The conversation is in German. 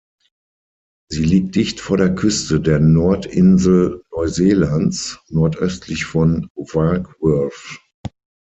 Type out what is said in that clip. Sie liegt dicht vor der Küste der Nordinsel Neuseelands nordöstlich von Warkworth.